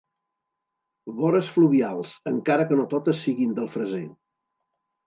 Vores fluvials, encara que no totes siguin del Freser.